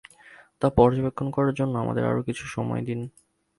তা পর্যবেক্ষণ করার জন্য আমাদের আরো কিছু সময় দিন।